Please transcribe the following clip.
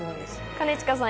兼近さん